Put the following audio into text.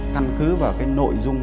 căn cứ vào cái nội dung